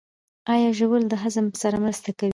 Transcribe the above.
ایا ژوول د هضم سره مرسته کوي؟